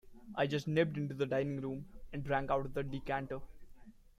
I just nipped into the dining-room and drank out of the decanter.